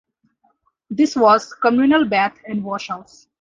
This was a communal bath and washhouse.